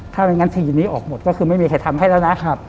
ถ้าไม่งั้นคดีนี้ออกหมดก็คือไม่มีใครทำให้แล้วนะ